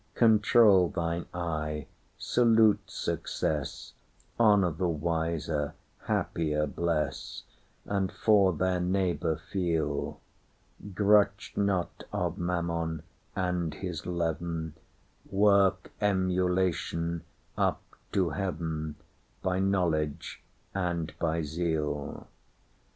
Control thine eye, salute success, Honour the wiser, happier bless, And for their neighbour feel; Grutch not of mammon and his leaven, Work emulation up to heavenBy knowledge and by zeal.